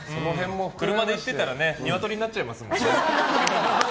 車で行ってたらニワトリになりますからね。